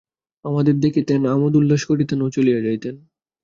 আমাদের দেখিতেন, আমােদ উল্লাস করিতেন ও চলিয়া যাইতেন।